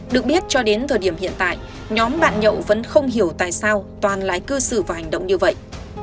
được biết cho đến thời điểm hiện tại nhóm bạn nhậu vẫn không hiểu tại sao toàn lái cư xử và hành động như vậy